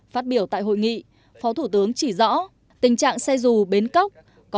phát biểu tại hội nghị phó thủ tướng chỉ rõ tình trạng xe dù bến cóc